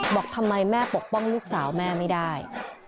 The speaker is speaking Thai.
บอกทำไมแม่ปกป้องลูกสาวแม่ไม่ได้